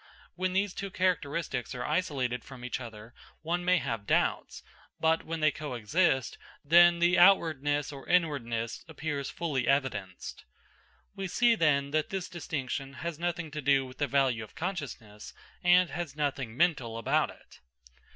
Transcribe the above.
When these two characteristics are isolated from each other, one may have doubts; but when they co exist, then the outwardness or inwardness appears fully evidenced. We see then that this distinction has nothing to do with the value of consciousness, and has nothing mental about it.